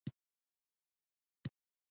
یخچالونه د اوبو مهم زیرمه دي.